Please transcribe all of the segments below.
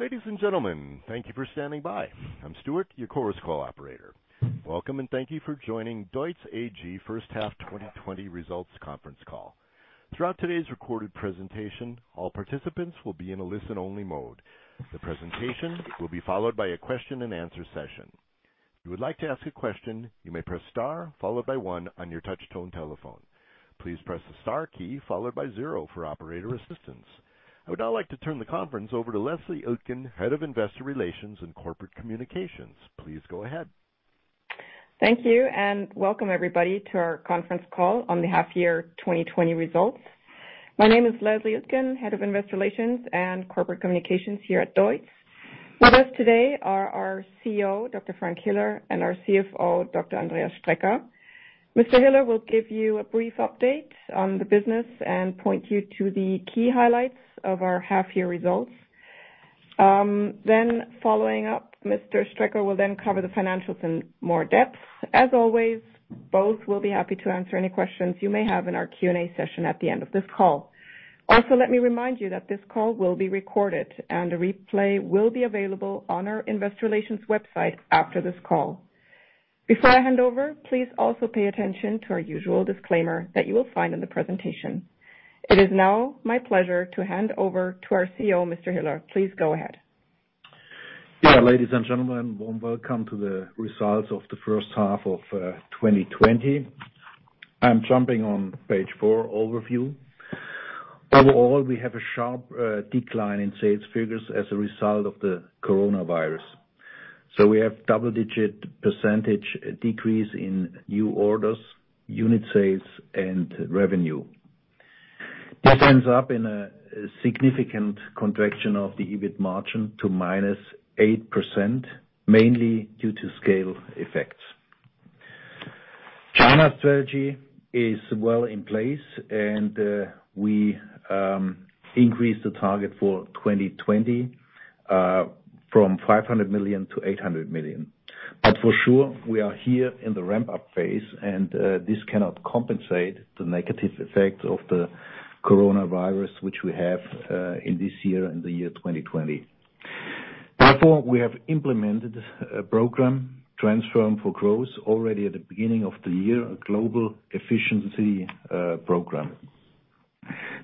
Ladies and gentlemen, thank you for standing by. I'm Stuart, your chorus call operator. Welcome, and thank you for joining DEUTZ AG first half 2020 results conference call. Throughout today's recorded presentation, all participants will be in a listen-only mode. The presentation will be followed by a question-and-answer session. If you would like to ask a question, you may press star followed by one on your touch-tone telephone. Please press the star key followed by zero for operator assistance. I would now like to turn the conference over to Leslie Iltgen, Head of Investor Relations and Corporate Communications. Please go ahead. Thank you, and welcome everybody to our conference call on the half-year 2020 results. My name is Leslie Iltgen, Head of Investor Relations and Corporate Communications here at DEUTZ. With us today are our CEO, Dr. Frank Hiller, and our CFO, Dr. Andreas Strecker. Mr. Hiller will give you a brief update on the business and point you to the key highlights of our half-year results. Following up, Mr. Strecker will then cover the financials in more depth. As always, both will be happy to answer any questions you may have in our Q&A session at the end of this call. Also, let me remind you that this call will be recorded, and a replay will be available on our Investor Relations website after this call. Before I hand over, please also pay attention to our usual disclaimer that you will find in the presentation. It is now my pleasure to hand over to our CEO, Mr. Hiller. Please go ahead. Yeah, ladies and gentlemen, warm welcome to the results of the first half of 2020. I'm jumping on page four, overview. Overall, we have a sharp decline in sales figures as a result of the coronavirus. We have a double-digit percentage decrease in new orders, unit sales, and revenue. This ends up in a significant contraction of the EBIT margin to -8%, mainly due to scale effects. China strategy is well in place, and we increased the target for 2020 from 500 million to 800 million. We are here in the ramp-up phase, and this cannot compensate the negative effects of the coronavirus, which we have in this year, in the year 2020. Therefore, we have implemented a program, Transform for Growth, already at the beginning of the year, a global efficiency program.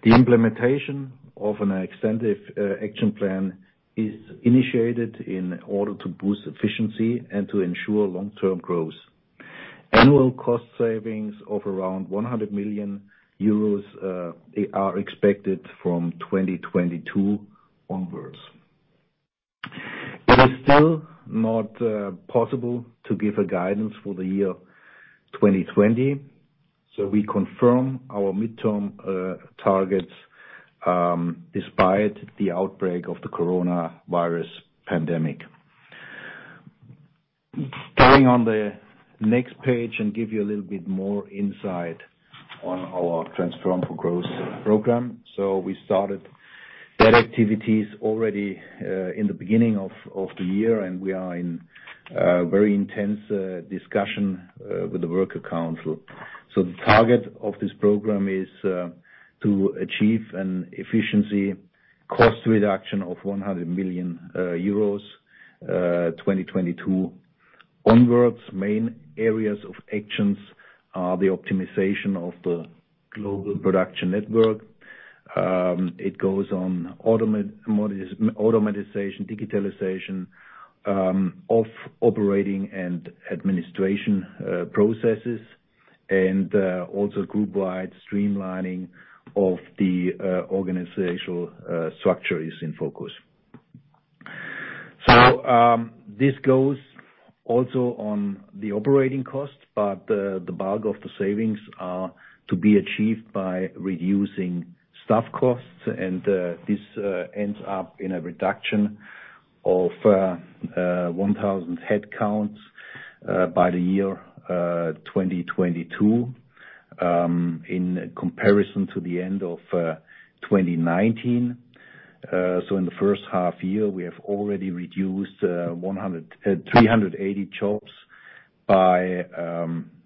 The implementation of an extended action plan is initiated in order to boost efficiency and to ensure long-term growth. Annual cost savings of around 100 million euros are expected from 2022 onwards. It is still not possible to give guidance for the year 2020, so we confirm our midterm targets despite the outbreak of the coronavirus pandemic. Going on the next page and give you a little bit more insight on our Transform for Growth program. We started that activity already in the beginning of the year, and we are in very intense discussion with the worker council. The target of this program is to achieve an efficiency cost reduction of 100 million euros 2022 onwards. Main areas of actions are the optimization of the global production network. It goes on automation, digitalization of operating and administration processes, and also group-wide streamlining of the organizational structure is in focus. This goes also on the operating cost, but the bulk of the savings are to be achieved by reducing staff costs, and this ends up in a reduction of 1,000 headcounts by the year 2022 in comparison to the end of 2019. In the first half year, we have already reduced 380 jobs by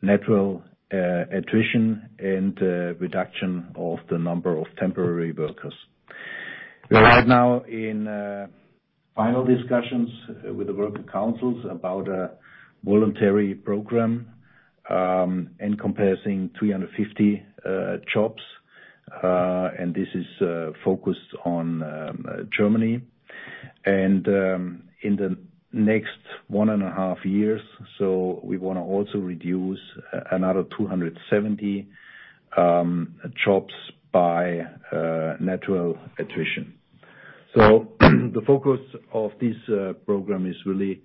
natural attrition and reduction of the number of temporary workers. We are right now in final discussions with the worker councils about a voluntary program in comparison to 350 jobs, and this is focused on Germany. In the next one and a half years, we want to also reduce another 270 jobs by natural attrition. The focus of this program is really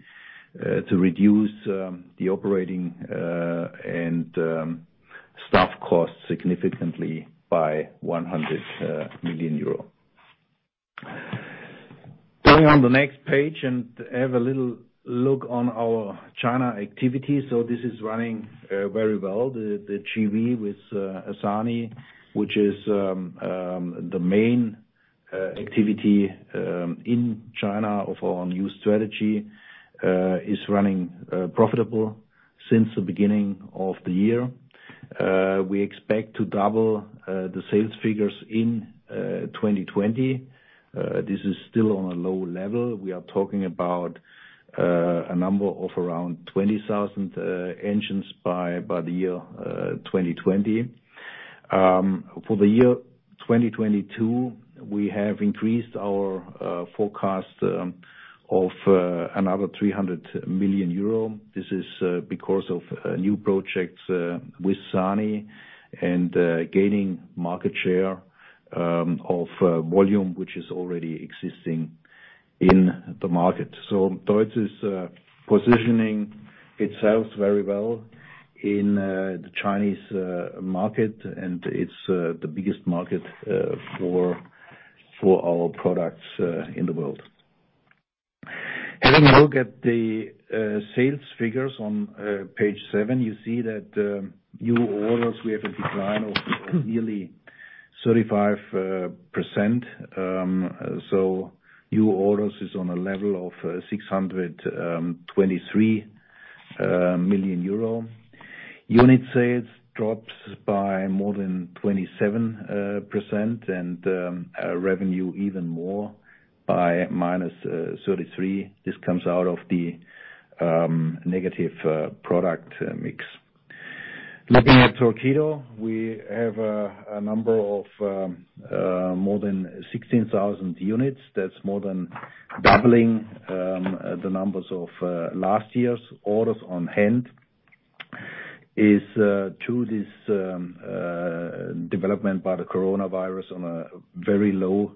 to reduce the operating and staff costs significantly by EUR 100 million. Going on the next page and have a little look on our China activity. This is running very well, the JV with Sany, which is the main activity in China of our new strategy, is running profitable since the beginning of the year. We expect to double the sales figures in 2020. This is still on a low level. We are talking about a number of around 20,000 engines by the year 2020. For the year 2022, we have increased our forecast of another 300 million euro. This is because of new projects with Sany and gaining market share of volume, which is already existing in the market. DEUTZ is positioning itself very well in the Chinese market, and it's the biggest market for our products in the world. Having a look at the sales figures on page seven, you see that new orders, we have a decline of nearly 35%. New orders is on a level of 623 million euro. Unit sales dropped by more than 27%, and revenue even more by -33%. This comes out of the negative product mix. Looking at Torqeedo, we have a number of more than 16,000 units. That's more than doubling the numbers of last year's orders on hand. It's due to this development by the coronavirus on a very low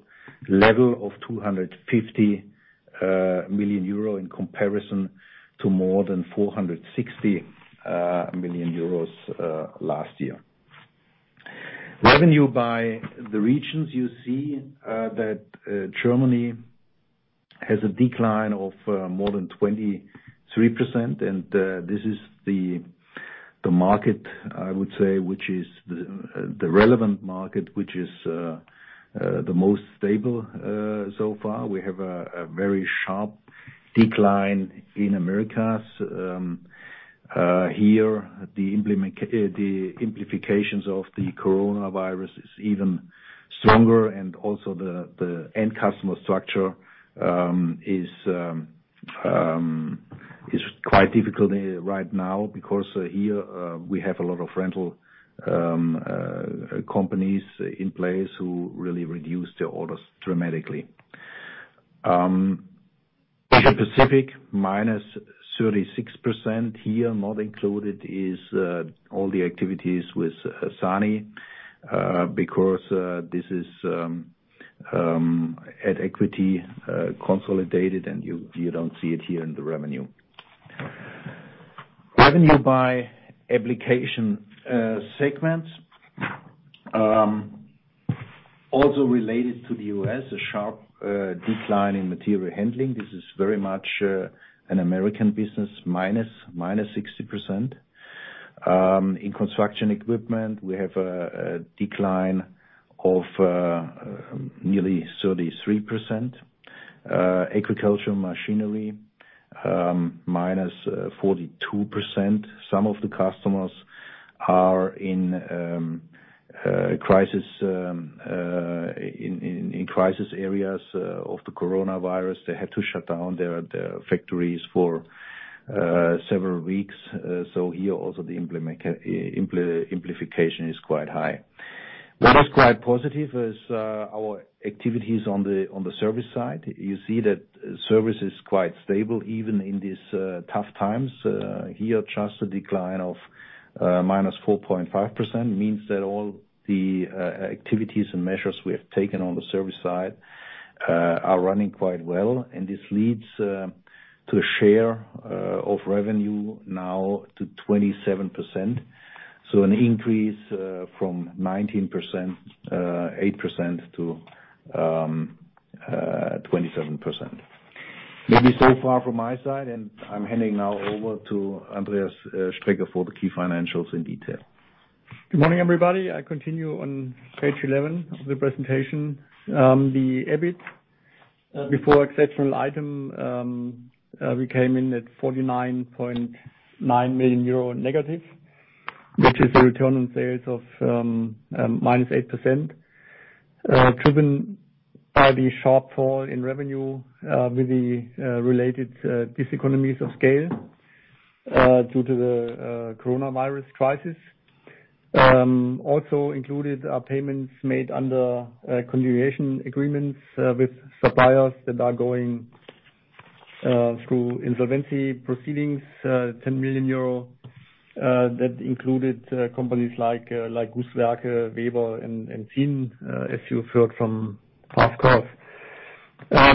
level of 250 million euro in comparison to more than 460 million euros last year. Revenue by the regions, you see that Germany has a decline of more than 23%, and this is the market, I would say, which is the relevant market, which is the most stable so far. We have a very sharp decline in Americas. Here, the amplifications of the coronavirus is even stronger, and also the end customer structure is quite difficult right now because here we have a lot of rental companies in place who really reduce their orders dramatically. Asia Pacific, -36%, here not included is all the activities with Sany because this is at equity consolidated, and you do not see it here in the revenue. Revenue by application segment, also related to the U.S., a sharp decline in material handling. This is very much an American business, -60%. In construction equipment, we have a decline of nearly 33%. Agriculture machinery, -42%. Some of the customers are in crisis areas of the coronavirus. They had to shut down their factories for several weeks. Here, also the amplification is quite high. What is quite positive is our activities on the service side. You see that service is quite stable even in these tough times. Here, just a decline of -4.5% means that all the activities and measures we have taken on the service side are running quite well, and this leads to a share of revenue now to 27%. An increase from 19.8% to 27%. Maybe so far from my side, and I'm handing now over to Andreas Strecker for the key financials in detail. Good morning, everybody. I continue on page 11 of the presentation. The EBIT, before exceptional item, we came in at 49.9 million euro negative, which is the return on sales of -8%, driven by the sharp fall in revenue with the related diseconomies of scale due to the coronavirus crisis. Also included are payments made under continuation agreements with suppliers that are going through insolvency proceedings, 10 million euro, that included companies like Gusswerke, Weber, and Zinn, as you've heard from Kafkaus.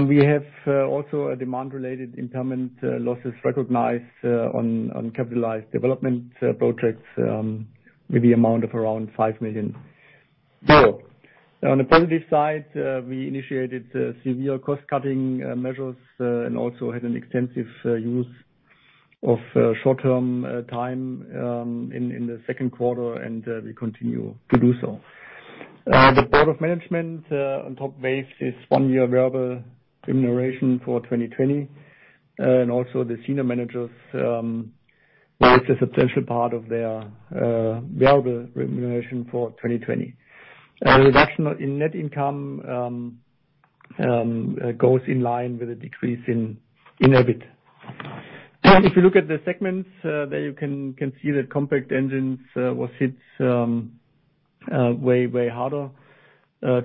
We have also demand-related impairment losses recognized on capitalized development projects with the amount of around 5 million euro. On the positive side, we initiated severe cost-cutting measures and also had an extensive use of short-time work in the second quarter, and we continue to do so. The Board of Management on top waves this one-year variable remuneration for 2020, and also the senior managers waved a substantial part of their variable remuneration for 2020. The reduction in net income goes in line with a decrease in EBIT. If you look at the segments, there you can see that compact engines were hit way, way harder,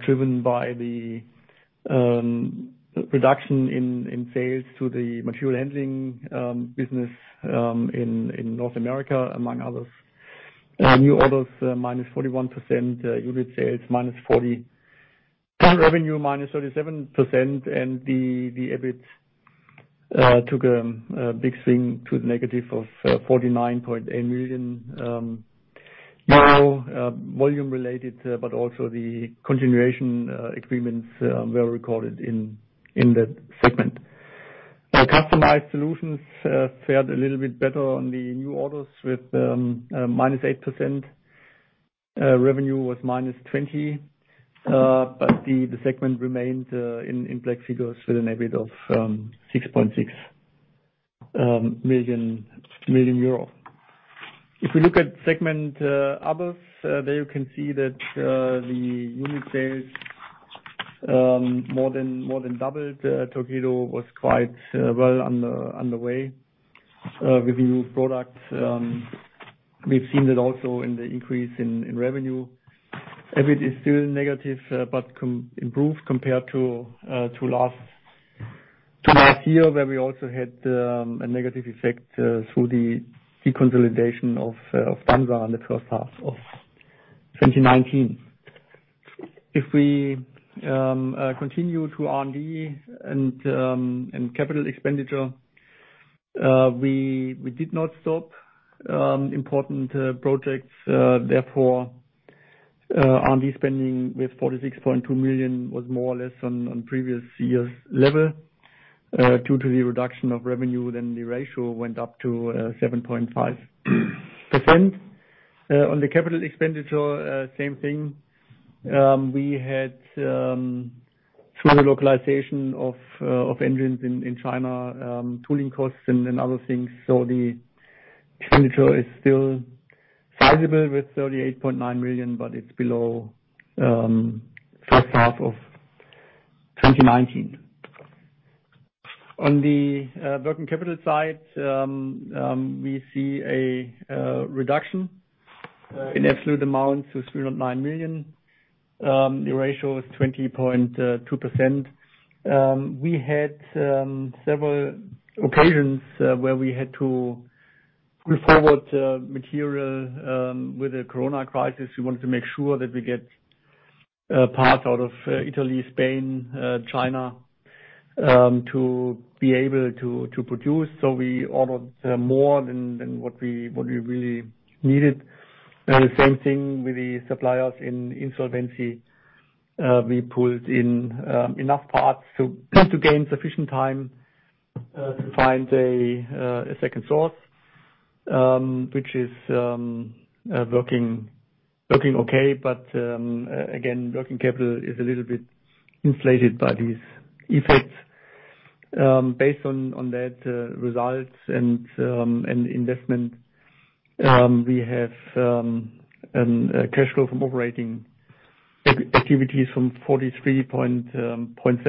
driven by the reduction in sales to the material handling business in North America, among others. New orders, -41%, unit sales, -40%, revenue, -37%, and the EBIT took a big swing to the negative of 49.8 million euro volume-related, but also the continuation agreements were recorded in that segment. Customized solutions fared a little bit better on the new orders with -8%. Revenue was -20%, but the segment remained in black figures with an EBIT of 6.6 million euro. If we look at segment others, there you can see that the unit sales more than doubled. Torqeedo was quite well underway with the new products. We've seen that also in the increase in revenue. EBIT is still negative but improved compared to last year, where we also had a negative effect through the consolidation of DAMSA in the first half of 2019. If we continue to R&D and capital expenditure, we did not stop important projects. Therefore, R&D spending with 46.2 million was more or less on previous year's level. Due to the reduction of revenue, then the ratio went up to 7.5%. On the capital expenditure, same thing. We had further localization of engines in China, tooling costs, and other things. The expenditure is still sizable with 38.9 million, but it's below first half of 2019. On the working capital side, we see a reduction in absolute amount to 309 million. The ratio is 20.2%. We had several occasions where we had to pull forward material with the corona crisis. We wanted to make sure that we get parts out of Italy, Spain, China to be able to produce. We ordered more than what we really needed. The same thing with the suppliers in insolvency. We pulled in enough parts to gain sufficient time to find a second source, which is working okay, but again, working capital is a little bit inflated by these effects. Based on that result and investment, we have a cash flow from operating activities from 43.7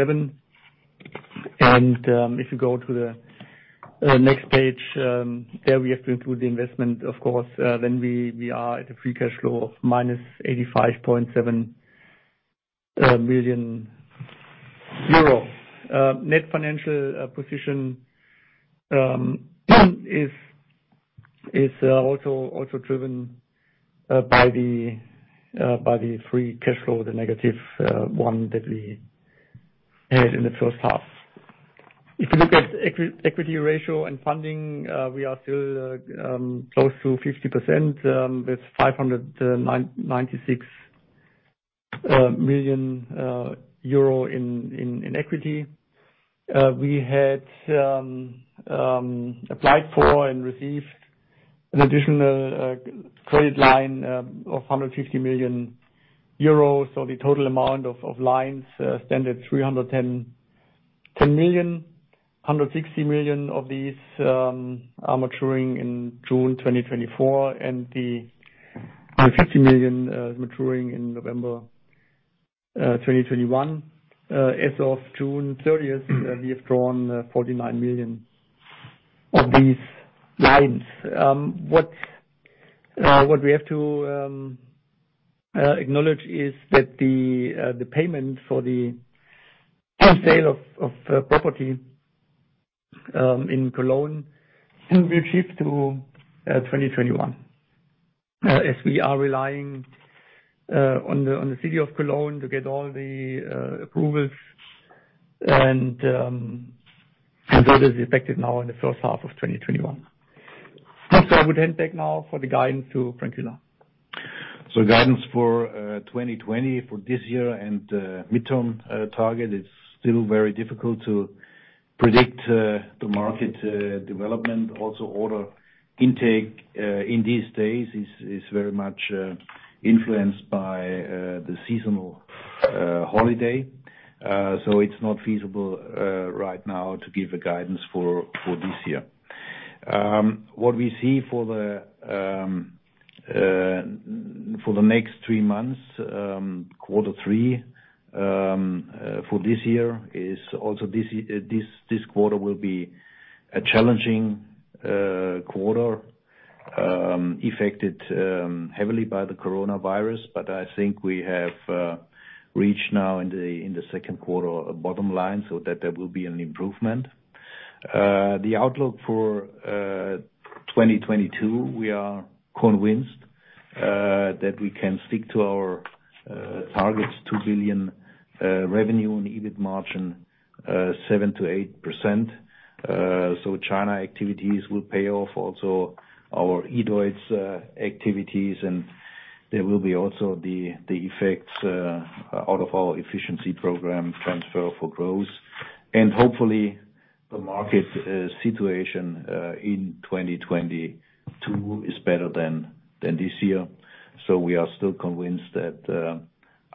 million. If you go to the next page, we have to include the investment, of course. We are at a free cash flow of -85.7 million euro. Net financial position is also driven by the free cash flow, the negative one that we had in the first half. If you look at equity ratio and funding, we are still close to 50% with 596 million euro in equity. We had applied for and received an additional credit line of 150 million euros. The total amount of lines stand at 310 million. 160 million of these are maturing in June 2024, and the 150 million is maturing in November 2021. As of June 30th, we have drawn 49 million of these lines. What we have to acknowledge is that the payment for the sale of property in Cologne will shift to 2021, as we are relying on the city of Cologne to get all the approvals, and that is expected now in the first half of 2021. I would hand back now for the guidance to Frank Hiller. Guidance for 2020 for this year and midterm target, it's still very difficult to predict the market development. Also, order intake in these days is very much influenced by the seasonal holiday. It's not feasible right now to give a guidance for this year. What we see for the next three months, quarter three for this year is also this quarter will be a challenging quarter, affected heavily by the coronavirus. I think we have reached now in the second quarter a bottom line so that there will be an improvement. The outlook for 2022, we are convinced that we can stick to our targets, 2 billion revenue and EBIT margin, 7-8%. China activities will pay off, also our E-DEUTZ activities, and there will be also the effects out of our efficiency program Transform for Growth. Hopefully, the market situation in 2022 is better than this year. We are still convinced that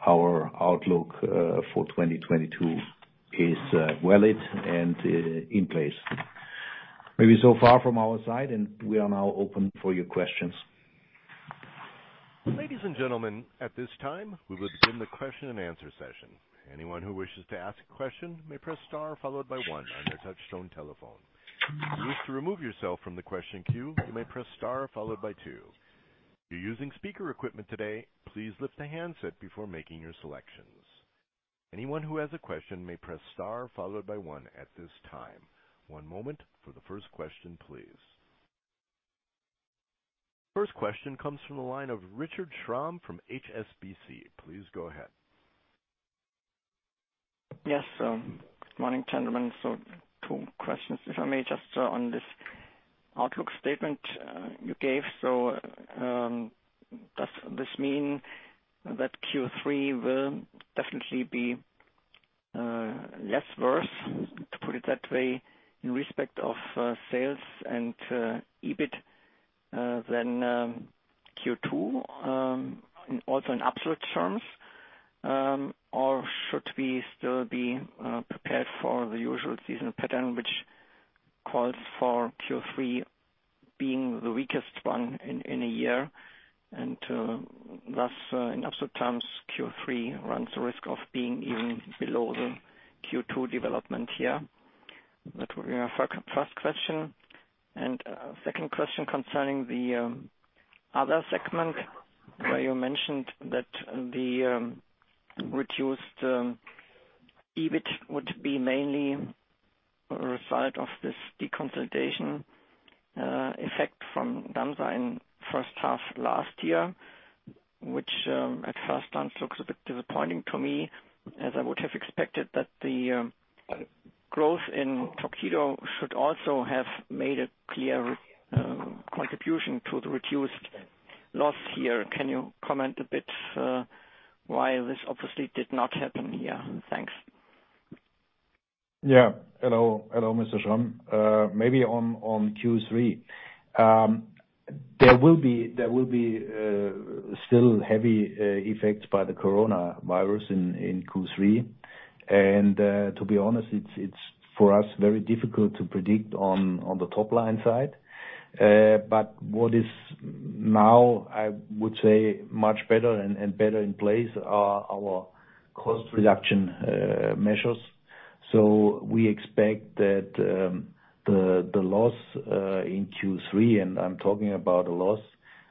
our outlook for 2022 is valid and in place. Maybe so far from our side, and we are now open for your questions. Ladies and gentlemen, at this time, we will begin the question and answer session. Anyone who wishes to ask a question may press star followed by one on their touchstone telephone. If you wish to remove yourself from the question queue, you may press star followed by two. If you're using speaker equipment today, please lift the handset before making your selections. Anyone who has a question may press star followed by one at this time. One moment for the first question, please. First question comes from the line of Richard Schramm from HSBC. Please go ahead. Yes. Good morning, gentlemen. Two questions, if I may, just on this outlook statement you gave. Does this mean that Q3 will definitely be less worse, to put it that way, in respect of sales and EBIT than Q2, also in absolute terms? Should we still be prepared for the usual seasonal pattern, which calls for Q3 being the weakest one in a year? Thus, in absolute terms, Q3 runs the risk of being even below the Q2 development here. That would be my first question. The second question concerns the other segment, where you mentioned that the reduced EBIT would be mainly a result of this deconsolidation effect from DAMSA in the first half last year, which at first glance looks a bit disappointing to me, as I would have expected that the growth in Torqeedo should also have made a clear contribution to the reduced loss here. Can you comment a bit why this obviously did not happen here? Thanks. Yeah. Hello, Mr. Schramm. Maybe on Q3. There will be still heavy effects by the coronavirus in Q3. To be honest, it's for us very difficult to predict on the top line side. What is now, I would say, much better and better in place are our cost reduction measures. We expect that the loss in Q3, and I'm talking about a loss,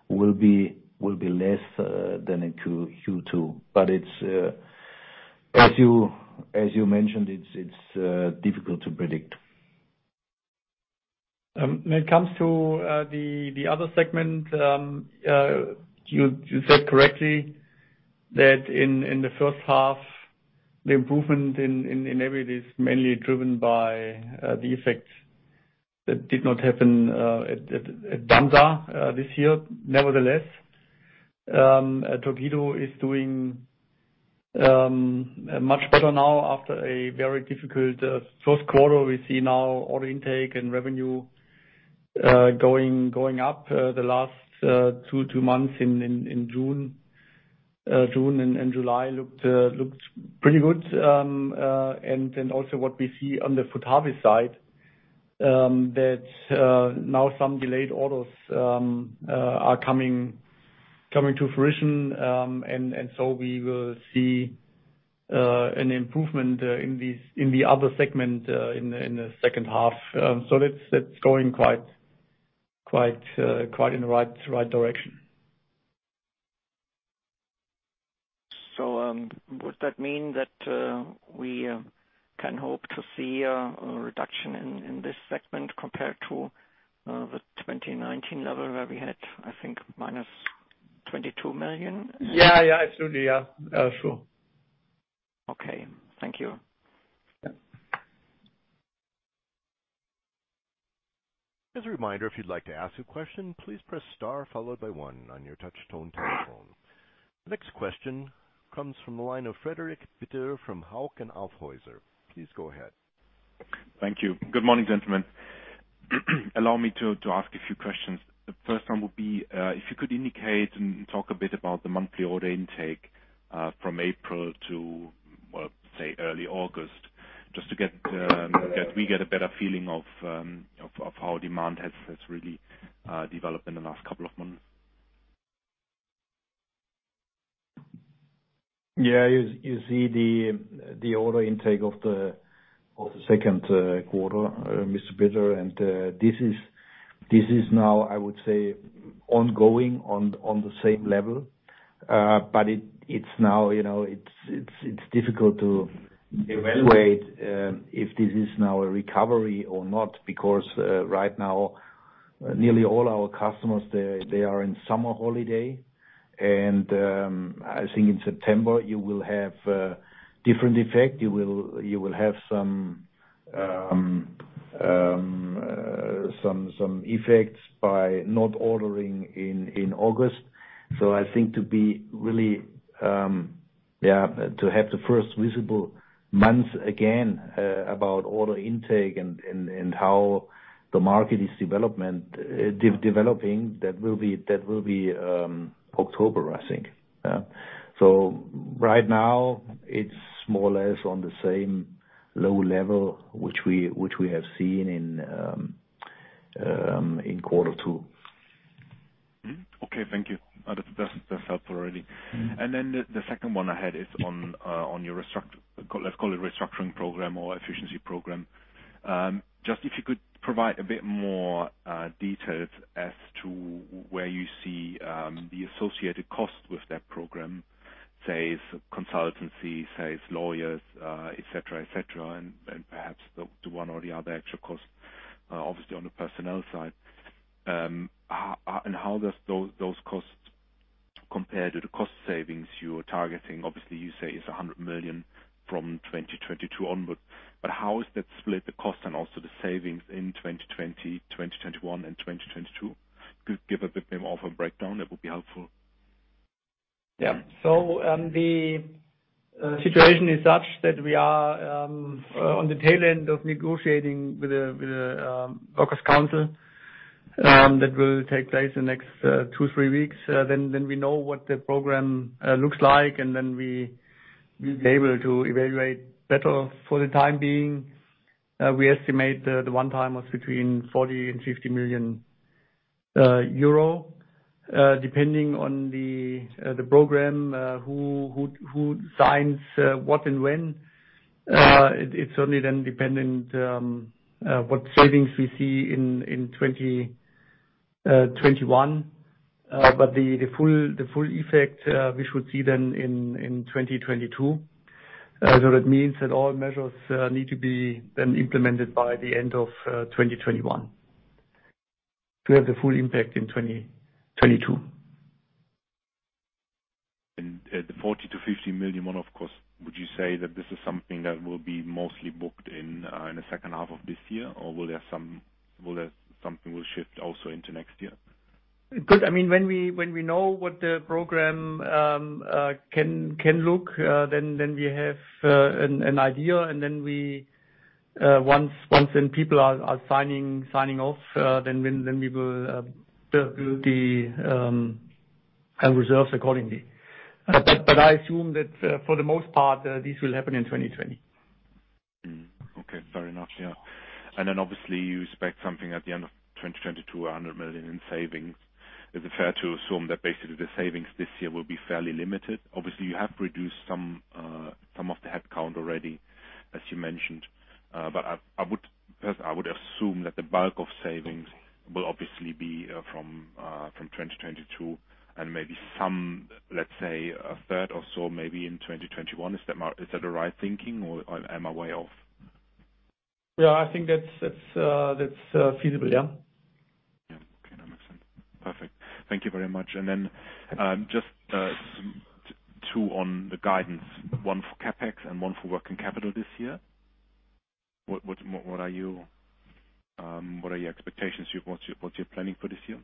will be less than in Q2. As you mentioned, it's difficult to predict. When it comes to the other segment, you said correctly that in the first half, the improvement in EBIT is mainly driven by the effects that did not happen at DAMSA this year. Nevertheless, Torqeedo is doing much better now after a very difficult first quarter. We see now order intake and revenue going up. The last two months in June and July looked pretty good. What we see on the Futabe side is that now some delayed orders are coming to fruition. We will see an improvement in the other segment in the second half. That is going quite in the right direction. Would that mean that we can hope to see a reduction in this segment compared to the 2019 level where we had, I think, -22 million? Yeah, yeah. Absolutely. Yeah. Sure. Okay. Thank you. As a reminder, if you'd like to ask a question, please press star followed by one on your touchstone telephone. The next question comes from the line of Frederik Bitter from Hauck & Aufhäuser. Please go ahead. Thank you. Good morning, gentlemen. Allow me to ask a few questions. The first one would be if you could indicate and talk a bit about the monthly order intake from April to, well, say, early August, just to get we get a better feeling of how demand has really developed in the last couple of months? Yeah. You see the order intake of the second quarter, Mr. Bitter. This is now, I would say, ongoing on the same level. It is difficult to evaluate if this is now a recovery or not because right now, nearly all our customers are in summer holiday. I think in September, you will have different effects. You will have some effects by not ordering in August. I think to be really, yeah, to have the first visible months again about order intake and how the market is developing, that will be October, I think. Right now, it is more or less on the same low level, which we have seen in quarter two. Okay. Thank you. That's helpful already. The second one I had is on your, let's call it, restructuring program or efficiency program. Just if you could provide a bit more details as to where you see the associated cost with that program, say, consultancy, say, lawyers, etc., etc., and perhaps the one or the other extra cost, obviously, on the personnel side. How does those costs compare to the cost savings you are targeting? Obviously, you say it's 100 million from 2022 onward. How is that split, the cost and also the savings in 2020, 2021, and 2022? Could you give a bit more of a breakdown? That would be helpful. Yeah. The situation is such that we are on the tail end of negotiating with the workers' council that will take place in the next two or three weeks. Then we know what the program looks like, and then we'll be able to evaluate better. For the time being, we estimate the one-time was between 40 million-50 million euro. Depending on the program, who signs what and when, it's only then dependent on what savings we see in 2021. The full effect, we should see then in 2022. That means that all measures need to be implemented by the end of 2021 to have the full impact in 2022. The 40 million-50 million one, of course, would you say that this is something that will be mostly booked in the second half of this year, or will there something will shift also into next year? Good. I mean, when we know what the program can look, then we have an idea. And then once then people are signing off, then we will build the reserves accordingly. I assume that for the most part, this will happen in 2020. Okay. Fair enough. Yeah. You expect something at the end of 2022, 100 million in savings. Is it fair to assume that basically the savings this year will be fairly limited? You have reduced some of the headcount already, as you mentioned. I would assume that the bulk of savings will be from 2022 and maybe some, let's say, a third or so maybe in 2021. Is that the right thinking, or am I way off? Yeah, I think that's feasible. Yeah. Yeah. Okay. That makes sense. Perfect. Thank you very much. Just two on the guidance, one for CapEx and one for working capital this year. What are your expectations? What's your planning for this year?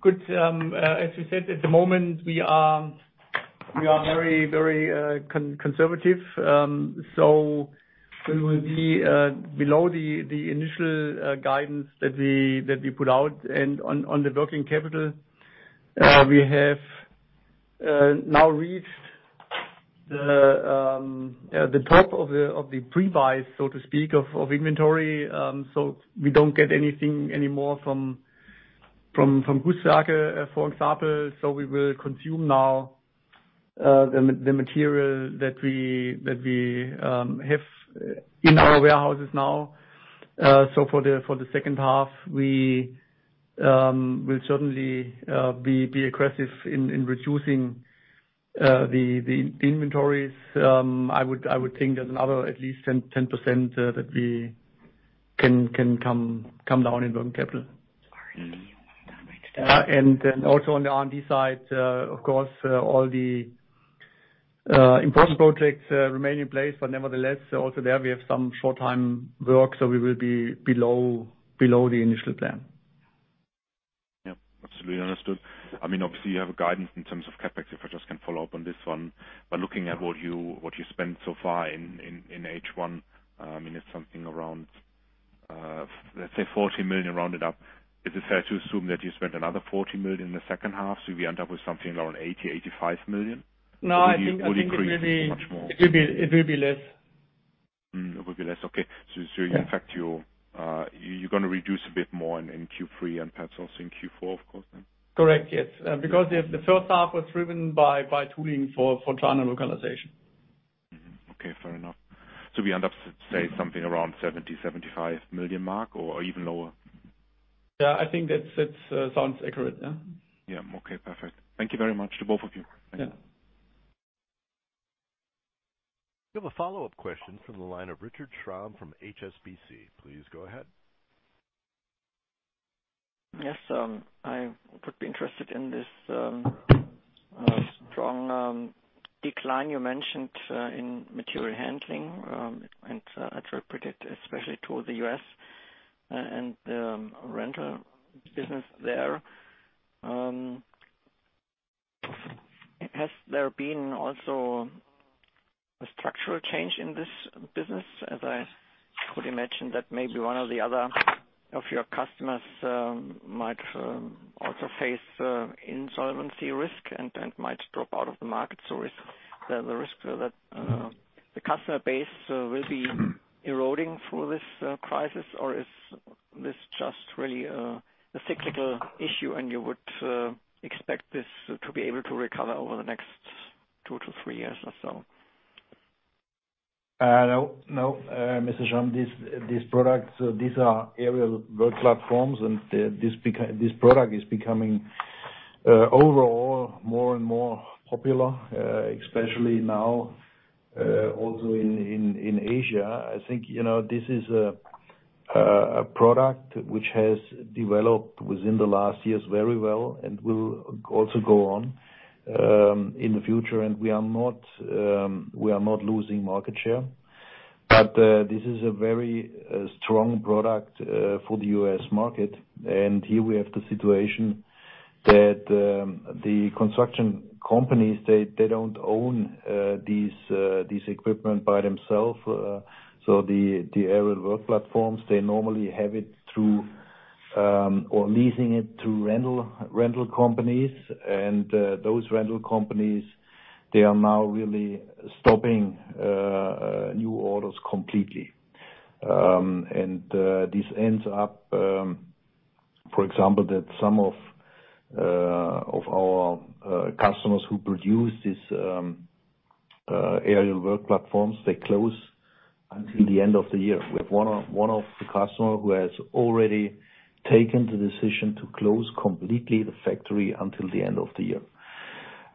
Good. As we said, at the moment, we are very, very conservative. We will be below the initial guidance that we put out. On the working capital, we have now reached the top of the pre-buys, so to speak, of inventory. We do not get anything anymore from Goodstock, for example. We will consume now the material that we have in our warehouses now. For the second half, we will certainly be aggressive in reducing the inventories. I would think there is another at least 10% that we can come down in working capital. Also on the R&D side, of course, all the important projects remain in place. Nevertheless, also there, we have some short-time work, so we will be below the initial plan. Yeah. Absolutely understood. I mean, obviously, you have a guidance in terms of CapEx, if I just can follow up on this one. Looking at what you spent so far in H1, I mean, it's something around, let's say, 40 million, rounded up. Is it fair to assume that you spent another 40 million in the second half? We end up with something around 80 million-85 million? No. Would it increase much more? It will be less. It will be less. Okay. In fact, you're going to reduce a bit more in Q3 and perhaps also in Q4, of course, then? Correct. Yes. Because the first half was driven by tooling for China localization. Okay. Fair enough. We end up, say, something around 70 million-75 million mark or even lower? Yeah. I think that sounds accurate. Yeah. Yeah. Okay. Perfect. Thank you very much to both of you. Yeah. We have a follow-up question from the line of Richard Schramm from HSBC. Please go ahead. Yes. I would be interested in this strong decline you mentioned in material handling. I attribute it especially to the U.S. and the rental business there. Has there been also a structural change in this business? I could imagine that maybe one or the other of your customers might also face insolvency risk and might drop out of the market. Is there the risk that the customer base will be eroding through this crisis, or is this just really a cyclical issue and you would expect this to be able to recover over the next two to three years or so? No. Mr. Schramm, these products, these are aerial work platforms, and this product is becoming overall more and more popular, especially now also in Asia. I think this is a product which has developed within the last years very well and will also go on in the future. We are not losing market share. This is a very strong product for the U.S. market. Here we have the situation that the construction companies, they do not own this equipment by themselves. The aerial work platforms, they normally have it through or leasing it through rental companies. Those rental companies, they are now really stopping new orders completely. This ends up, for example, that some of our customers who produce these aerial work platforms, they close until the end of the year. We have one of the customers who has already taken the decision to close completely the factory until the end of the year.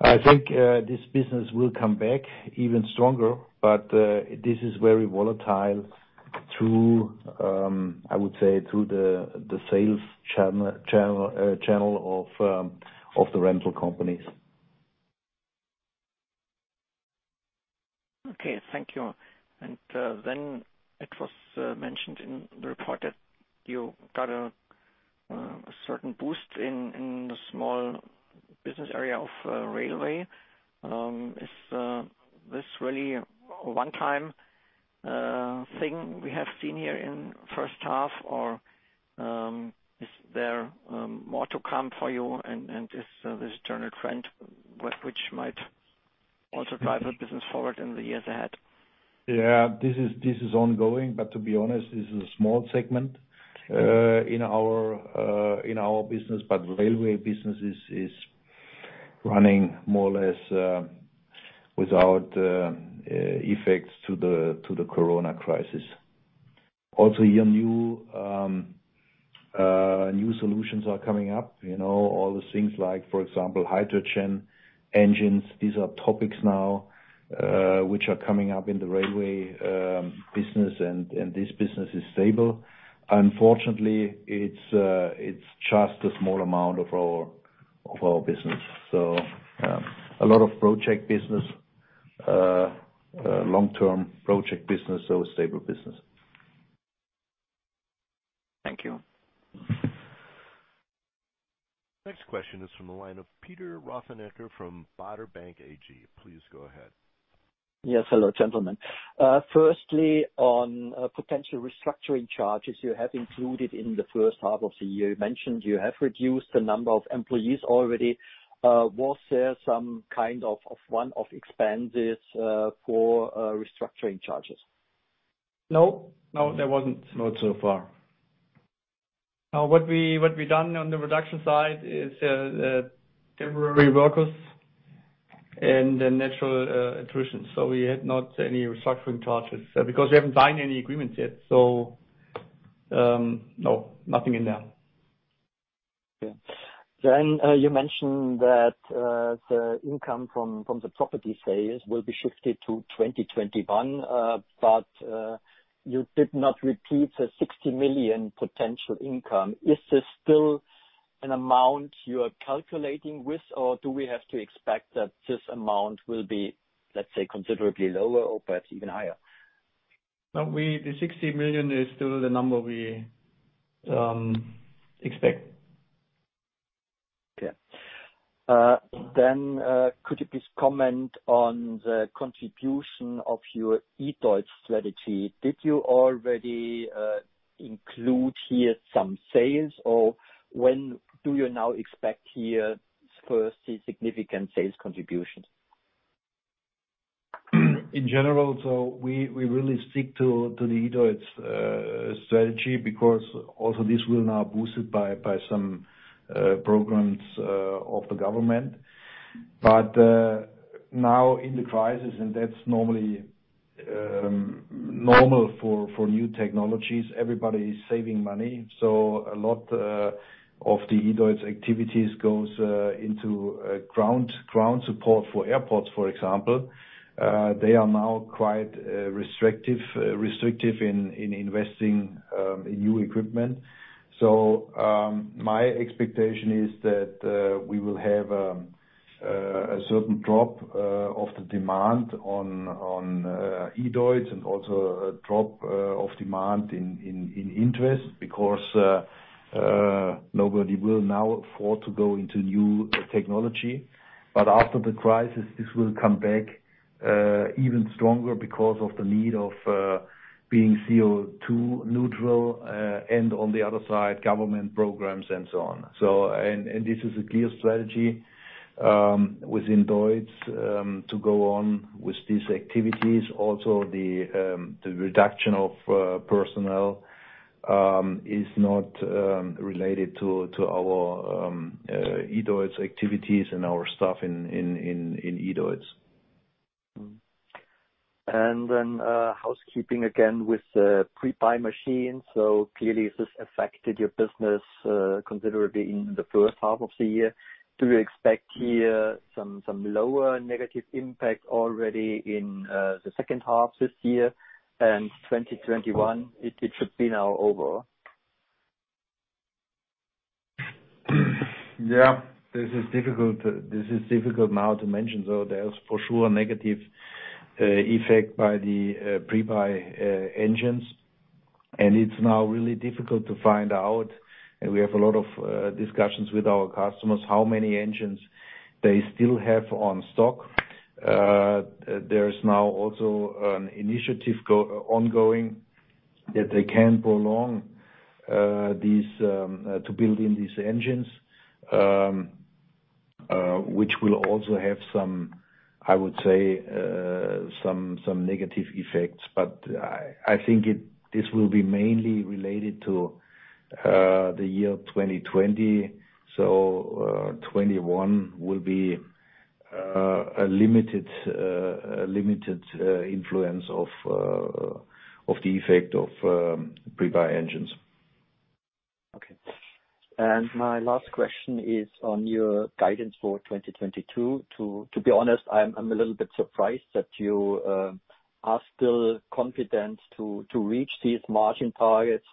I think this business will come back even stronger, but this is very volatile through, I would say, through the sales channel of the rental companies. Okay. Thank you. It was mentioned in the report that you got a certain boost in the small business area of railway. Is this really a one-time thing we have seen here in the first half, or is there more to come for you? Is this a general trend which might also drive the business forward in the years ahead? Yeah. This is ongoing. To be honest, this is a small segment in our business. The railway business is running more or less without effects to the corona crisis. Also, new solutions are coming up. All the things like, for example, hydrogen engines, these are topics now which are coming up in the railway business. This business is stable. Unfortunately, it is just a small amount of our business. A lot of project business, long-term project business, stable business. Thank you. Next question is from the line of Peter Rothenecker from Baader Bank AG. Please go ahead. Yes. Hello, gentlemen. Firstly, on potential restructuring charges you have included in the first half of the year, you mentioned you have reduced the number of employees already. Was there some kind of one-off expenses for restructuring charges? No. No. There wasn't. Not so far. What we've done on the reduction side is temporary workers and then natural attrition. We had not any restructuring charges because we haven't signed any agreements yet. No, nothing in there. Okay. Then you mentioned that the income from the property sales will be shifted to 2021, but you did not repeat the 60 million potential income. Is this still an amount you are calculating with, or do we have to expect that this amount will be, let's say, considerably lower or perhaps even higher? No. The 60 million is still the number we expect. Okay. Could you please comment on the contribution of your E-DEUTZ strategy? Did you already include here some sales, or do you now expect here first the significant sales contributions? In general, we really stick to the E-DEUTZ strategy because also this will now be boosted by some programs of the government. Now in the crisis, and that is normally normal for new technologies, everybody is saving money. A lot of the E-DEUTZ activities goes into ground support for airports, for example. They are now quite restrictive in investing in new equipment. My expectation is that we will have a certain drop of the demand on E-DEUTZ and also a drop of demand in interest because nobody will now afford to go into new technology. After the crisis, this will come back even stronger because of the need of being CO2 neutral and on the other side, government programs and so on. This is a clear strategy within E-DEUTZ to go on with these activities. Also, the reduction of personnel is not related to our E-DEUTZ activities and our staff in E-DEUTZ. Housekeeping again with the pre-buy machines. Clearly, this affected your business considerably in the first half of the year. Do you expect here some lower negative impact already in the second half this year? In 2021, it should be now over. Yeah. This is difficult now to mention. There is for sure a negative effect by the pre-buy engines. It is now really difficult to find out. We have a lot of discussions with our customers how many engines they still have on stock. There is now also an initiative ongoing that they can prolong to build in these engines, which will also have some, I would say, some negative effects. I think this will be mainly related to the year 2020. Twenty twenty-one will be a limited influence of the effect of pre-buy engines. Okay. My last question is on your guidance for 2022. To be honest, I'm a little bit surprised that you are still confident to reach these margin targets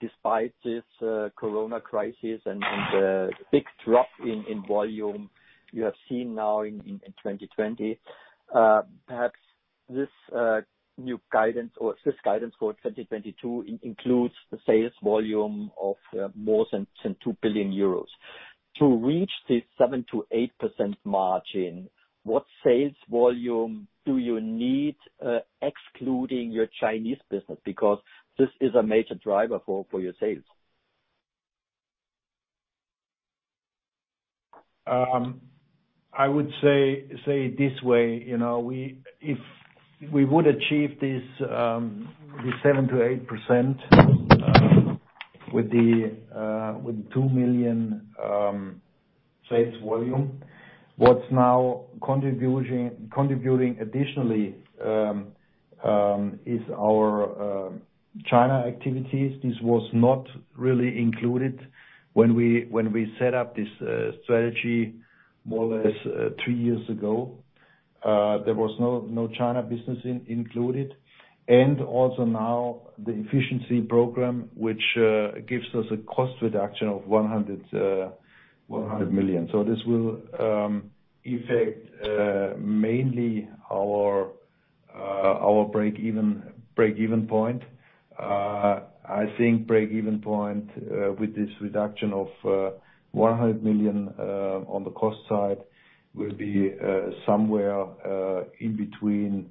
despite this corona crisis and the big drop in volume you have seen now in 2020. Perhaps this new guidance or this guidance for 2022 includes the sales volume of more than 2 billion euros. To reach this 7%-8% margin, what sales volume do you need excluding your Chinese business? Because this is a major driver for your sales. I would say it this way. If we would achieve this 7%-8% with the 2 million sales volume, what's now contributing additionally is our China activities. This was not really included when we set up this strategy more or less three years ago. There was no China business included. Also now the efficiency program, which gives us a cost reduction of 100 million. This will affect mainly our break-even point. I think break-even point with this reduction of 100 million on the cost side will be somewhere in between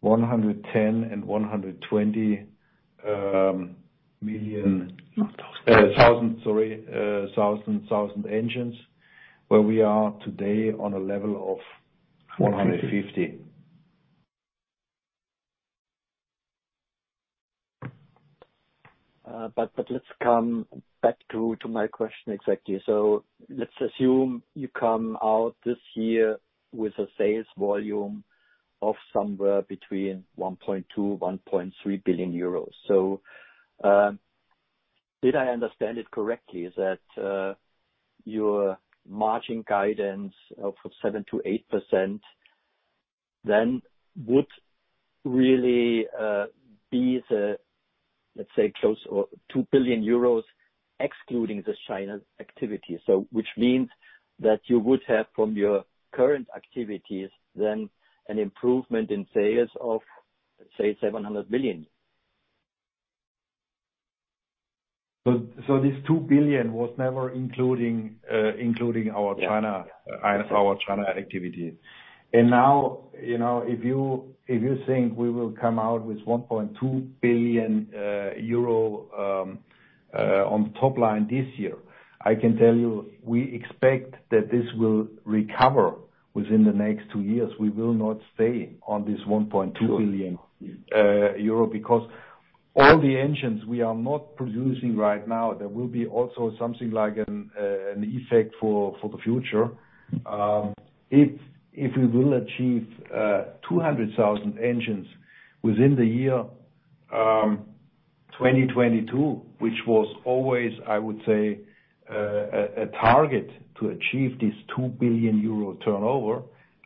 110,000 and 120,000 engines, where we are today on a level of 150,000. Let's come back to my question exactly. Let's assume you come out this year with a sales volume of somewhere between 1.2 billion-1.3 billion euros. Did I understand it correctly that your margin guidance of 7%-8% then would really be, let's say, close to 2 billion euros excluding this China activity, which means that you would have from your current activities then an improvement in sales of, say, 700 million? This 2 billion was never including our China activity. If you think we will come out with 1.2 billion euro on top line this year, I can tell you we expect that this will recover within the next two years. We will not stay on this 1.2 billion euro because all the engines we are not producing right now, there will be also something like an effect for the future. If we will achieve 200,000 engines within the year 2022, which was always, I would say, a target to achieve this 2 billion euro turnover,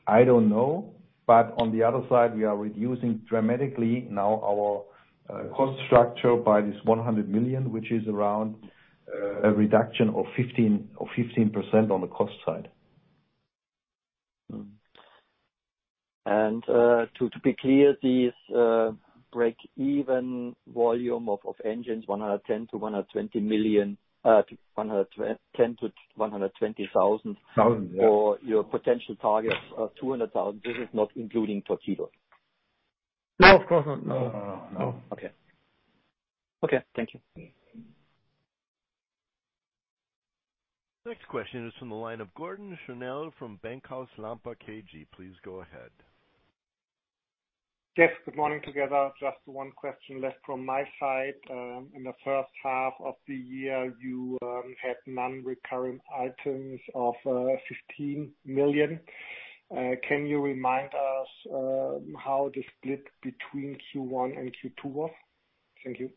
I do not know. On the other side, we are reducing dramatically now our cost structure by this 100 million, which is around a reduction of 15% on the cost side. To be clear, this break-even volume of engines, 110 million-120 million, 110,000-120,000 for your potential target of 200,000, this is not including Tortillo? No, of course not. No. No. No. Okay. Okay. Thank you. Next question is from the line of Gordon Schönell from Bankhaus Lampe KG. Please go ahead. Jeff, good morning together. Just one question left from my side. In the first half of the year, you had non-recurring items of 15 million. Can you remind us how the split between Q1 and Q2 was? Thank you.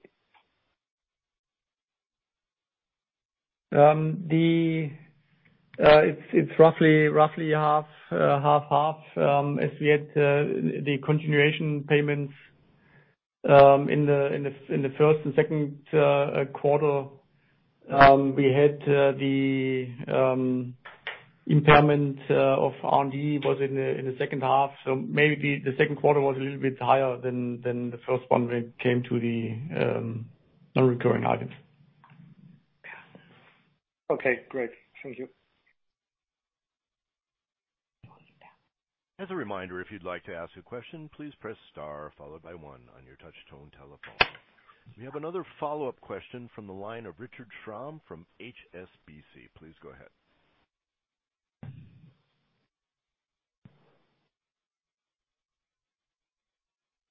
It's roughly half-half. As we had the continuation payments in the first and second quarter, we had the impairment of R&D was in the second half. Maybe the second quarter was a little bit higher than the first one when it came to the non-recurring items. Okay. Great. Thank you. As a reminder, if you'd like to ask a question, please press star followed by one on your touch-tone telephone. We have another follow-up question from the line of Richard Schramm from HSBC. Please go ahead.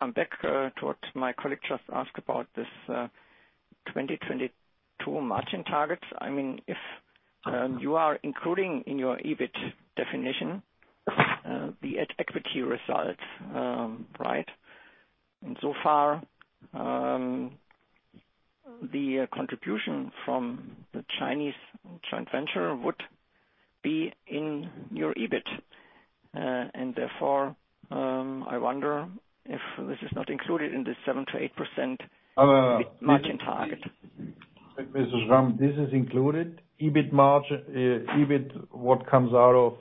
I'm back to what my colleague just asked about this 2022 margin target. I mean, if you are including in your E-DEUTZ definition the equity result, right? I mean, so far, the contribution from the Chinese joint venture would be in your E-DEUTZ. Therefore, I wonder if this is not included in the 7%-8% margin target. Mr. Schramm, this is included. E-DEUTZ, what comes out of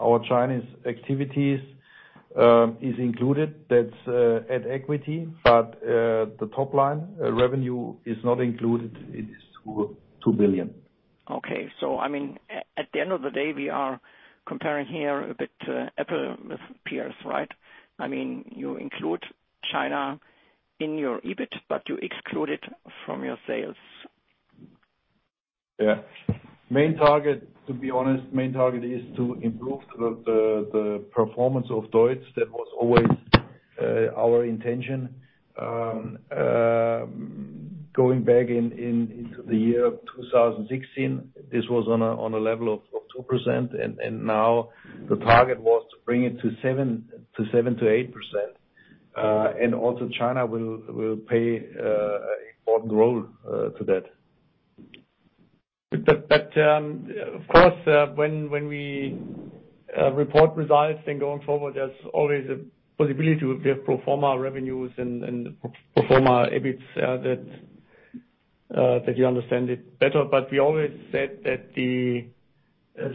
our Chinese activities is included. That's at equity. The top line revenue is not included. It is 2 billion. Okay. I mean, at the end of the day, we are comparing here a bit to apple peers, right? I mean, you include China in your E-DEUTZ, but you exclude it from your sales. Yeah. To be honest, main target is to improve the performance of E-DEUTZ. That was always our intention. Going back into the year 2016, this was on a level of 2%. Now the target was to bring it to 7%-8%. Also, China will play an important role to that. Of course, when we report results, going forward, there's always a possibility we have proforma revenues and proforma E-DEUTZs that you understand it better. We always said that the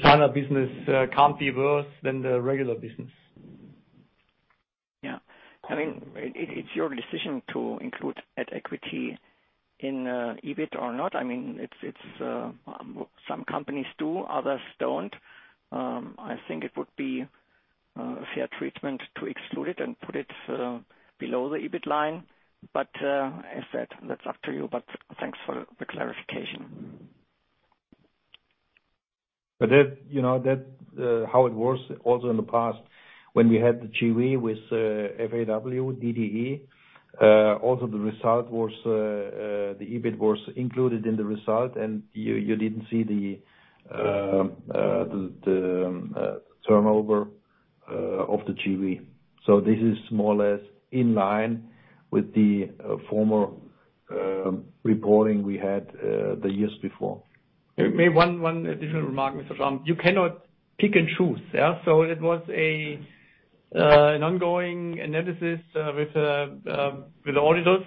China business can't be worse than the regular business. Yeah. I mean, it's your decision to include at equity in E-DEUTZ or not. I mean, some companies do, others don't. I think it would be a fair treatment to exclude it and put it below the E-DEUTZ line. As I said, that's up to you. Thanks for the clarification. That is how it works. Also in the past, when we had the JV with FAW, DDE, also the result was the E-DEUTZ was included in the result, and you did not see the turnover of the JV. This is more or less in line with the former reporting we had the years before. Maybe one additional remark, Mr. Schramm. You cannot pick and choose. It was an ongoing analysis with auditors.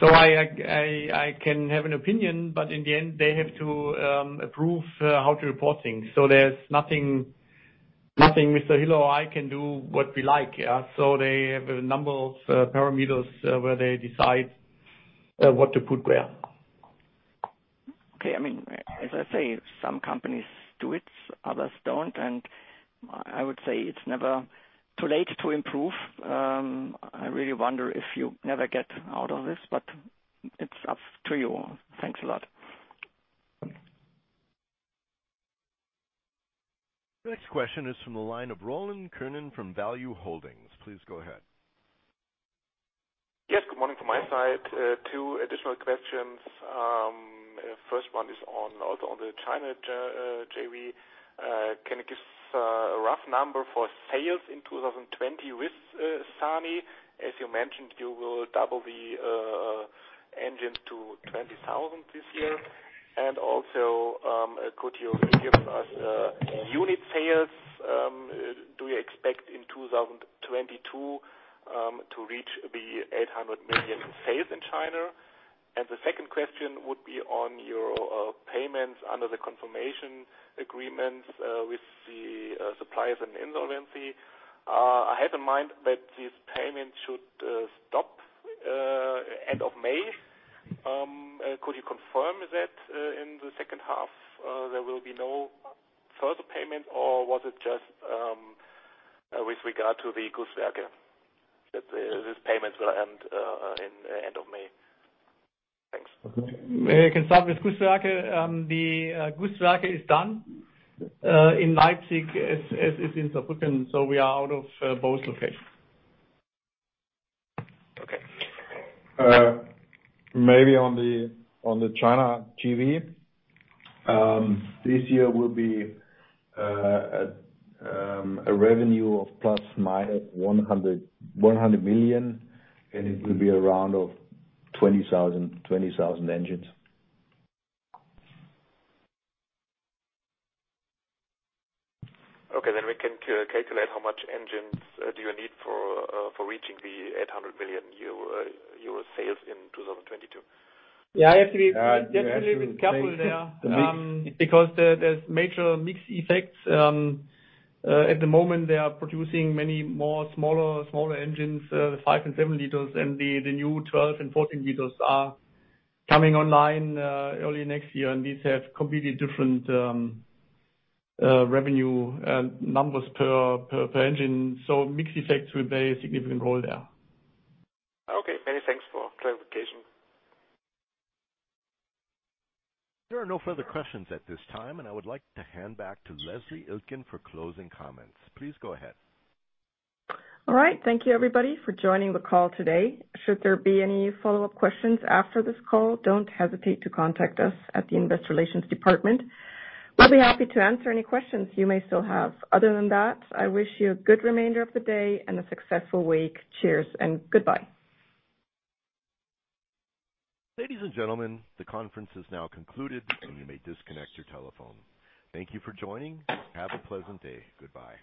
I can have an opinion, but in the end, they have to approve how to report things. There is nothing Mr. Hiller or I can do what we like. They have a number of parameters where they decide what to put where. Okay. I mean, as I say, some companies do it, others don't. I would say it's never too late to improve. I really wonder if you never get out of this, but it's up to you. Thanks a lot. Next question is from the line of Roland Könen from Value-Holdings. Please go ahead. Yes. Good morning from my side. Two additional questions. First one is also on the China JV. Can you give a rough number for sales in 2020 with Sany? As you mentioned, you will double the engines to 20,000 this year. Also, could you give us unit sales? Do you expect in 2022 to reach the 800 million sales in China? The second question would be on your payments under the confirmation agreements with the suppliers in insolvency. I have in mind that these payments should stop end of May. Could you confirm that in the second half, there will be no further payment, or was it just with regard to the Gusswerke that these payments will end in the end of May? Thanks. May I start with Gusswerke? The Gusswerke is done in Leipzig. It is in Saarbrücken. We are out of both locations. Okay. Maybe on the China JV, this year will be a revenue of plus minus 100 million, and it will be around 20,000 engines. Okay. Can we calculate how many engines do you need for reaching the 800 million euro sales in 2022? Yeah. I have to be definitely careful there. Because there's major mixed effects. At the moment, they are producing many more smaller engines, the five and seven liters, and the new 12 and 14 liters are coming online early next year. These have completely different revenue numbers per engine. Mixed effects will play a significant role there. Okay. Many thanks for clarification. There are no further questions at this time, and I would like to hand back to Leslie Iltgen for closing comments. Please go ahead. All right. Thank you, everybody, for joining the call today. Should there be any follow-up questions after this call, do not hesitate to contact us at the Investor Relations Department. We will be happy to answer any questions you may still have. Other than that, I wish you a good remainder of the day and a successful week. Cheers and goodbye. Ladies and gentlemen, the conference is now concluded, and you may disconnect your telephone. Thank you for joining. Have a pleasant day. Goodbye.